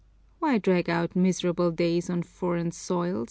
Why drag out miserable days on foreign soil?